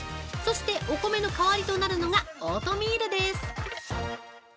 そして、お米の代わりとなるのがオートミールです。